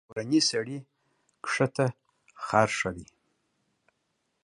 تر کورني سړي کښته خر ښه دى.